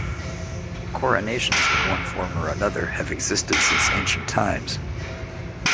Coronations, in one form or another, have existed since ancient times.